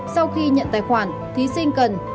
hai sau khi nhận tài khoản thí sinh cần